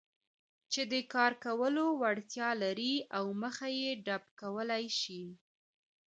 چې د کار کولو وړتیا لري او مخه يې ډب کولای شي.